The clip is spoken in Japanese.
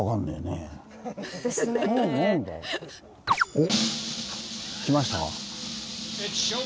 おっ来ました。